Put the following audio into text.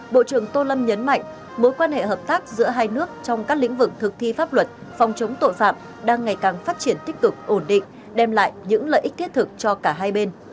bộ trưởng tô lâm nhấn mạnh mối quan hệ hợp tác giữa hai nước trong các lĩnh vực thực thi pháp luật phòng chống tội phạm đang ngày càng phát triển tích cực ổn định đem lại những lợi ích thiết thực cho cả hai bên